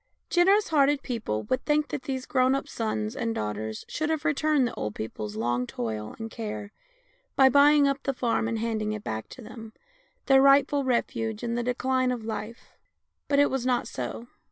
Generous hearted people would think that these grown up sons and daughters should have returned the old people's long toil and care by buying up the farm and handing it back to them, their rightful refuge in the decline of life. But it was not so.